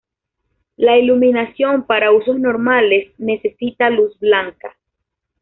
La iluminación para usos normales necesita luz blanca.